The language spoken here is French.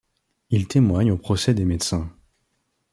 Il témoigne au Procès des médecins.